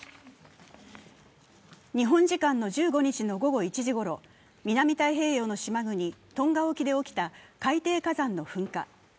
日本時間の１５日の午後１時ごろ、南太平洋の島国、トンガ沖で起きた海底火山の噴火。